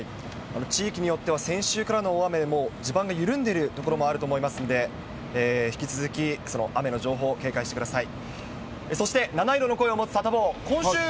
地域によっては、先週からの大雨でもう地盤が緩んでいる所もあると思いますんで、引き続き、雨の情報、警戒してください。